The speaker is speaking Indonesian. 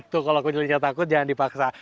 oh gitu kalau kuncinya takut jangan dipaksa